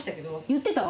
言ってた？